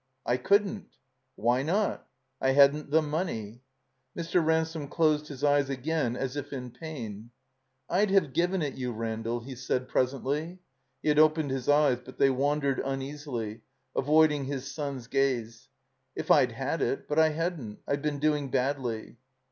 "I couldn't." 'Why not?" I hadn't the money." Mr. Ransome closed his eyes again as if in pain. "I'd have given it you, Randall," he said, pres ently. He had opened his eyes, but they wandered uneasily, avoiding his son's gaze. "If I'd had it. But I hadn't I've been, doing badly."